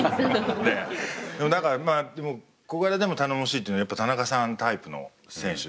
何か小柄でも頼もしいっていうのはやっぱ田中さんタイプの選手。